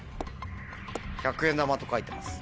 「１００円玉」と書いてます。